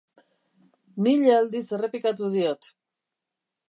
Mila aldiz errepikatu diot.